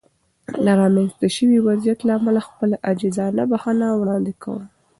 د رامنځته شوې وضعیت له امله خپله عاجزانه بښنه وړاندې کوم.